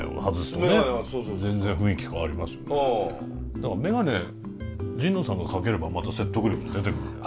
だから眼鏡神野さんがかければまた説得力も出てくんじゃない？